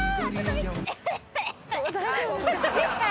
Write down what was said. ちょっと見て！